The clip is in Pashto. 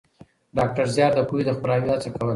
ډاکټر زیار د پوهې د خپراوي هڅه کوله.